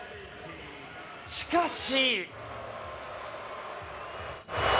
しかし。